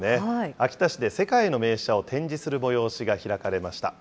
秋田市で世界の名車を展示する催しが開かれました。